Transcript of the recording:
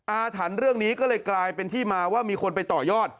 อาถรรพ์เรื่องนี้ก็เลยกลายเป็นที่มาว่ามีคนไปต่อยอด